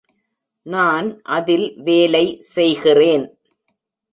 நான் அதில் வேலை செய்கிறேன்.